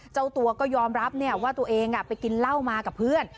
เจ้าตัวก็ยอมรับว่าตัวเองไปกินเหล้ามากับเพื่อน